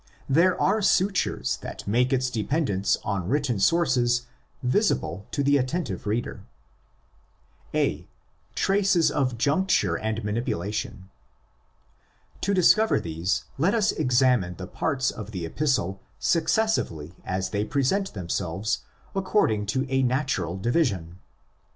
There are sutures that make its dependence on written sources visible to the attentive reader. A.—Traces of Juncture and Manipulation. To discover these, let us examine the parts of the Epistle successively as they present themselves accord ing to a natural division.